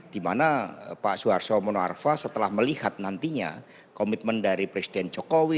dimana pak suharto mono arfa setelah melihat nantinya komitmen dari presiden jokowi